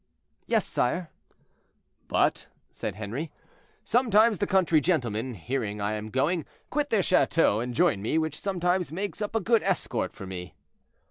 "Yes, sire." "But," said Henri, "sometimes the country gentlemen, hearing I am going, quit their chateaux and join me, which sometimes makes up a good escort for me."